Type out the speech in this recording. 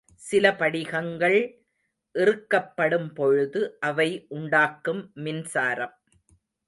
சில படிகங்கள் இறுக்கப்படும்பொழுது அவை உண்டாக்கும் மின்சாரம்.